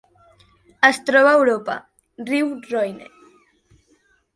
Es troba a Europa: riu Roine.